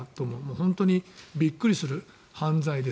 本当にびっくりする犯罪です。